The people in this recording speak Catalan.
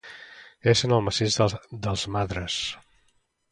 És en el massís del Madres.